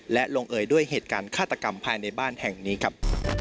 และลงเอยด้วยเหตุการณ์ฆาตกรรมภายในบ้านแห่งนี้ครับ